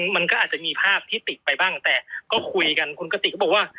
มันก็อาจจะมีภาพที่ติดไปบ้างแต่ก็คุยกันคุณกติกก็บอกว่า